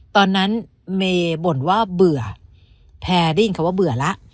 ตอนนั้นเมย์บ่นว่าเบื่อแพรได้ยินคำว่าเบื่อแล้ว